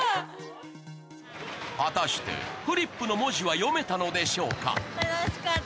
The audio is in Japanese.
果たしてフリップの文字は読めたのでしょうか？